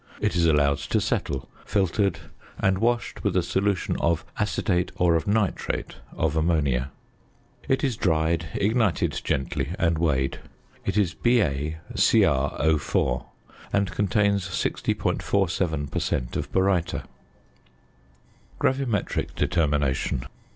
It is allowed to settle, filtered and washed with a solution of acetate or of nitrate of ammonia. It is dried, ignited gently, and weighed. It is BaCrO_, and contains 60.47 per cent. of baryta. GRAVIMETRIC DETERMINATION.